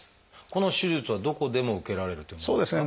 この手術はどこでも受けられるっていうものですか？